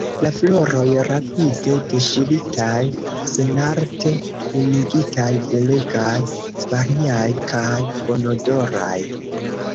La floroj, rapide deŝiritaj, senarte kunigitaj, belegaj, variaj kaj bonodoraj.